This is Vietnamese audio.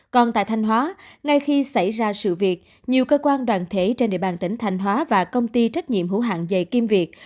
còn tại thanh hóa ngay khi xảy ra sự việc nhiều cơ quan đoàn thể trên địa bàn tỉnh thanh hóa và công ty trách nhiệm hữu hạng dày kim việt